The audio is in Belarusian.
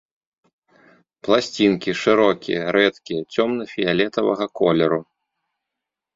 Пласцінкі, шырокія, рэдкія, цёмна-фіялетавага колеру.